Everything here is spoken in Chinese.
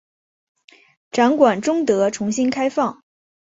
展馆终得重新开放。